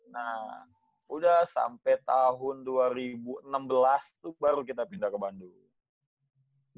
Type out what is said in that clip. nah udah sampai tahun dua ribu enam belas itu baru kita pindah ke bandung